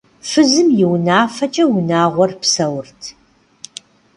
Фызым и унафэкӏэ унагъуэр псэурт.